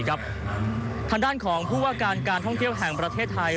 ทางด้านของผู้ว่าการการท่องเที่ยวแห่งประเทศไทย